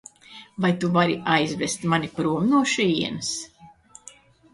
Vai tu vari aizvest mani prom no šejienes?